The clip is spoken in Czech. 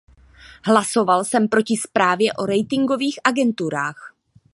Hlasoval jsem proti zprávě o ratingových agenturách.